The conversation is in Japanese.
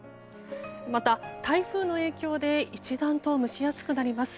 また、台風の影響で一段と蒸し暑くなります。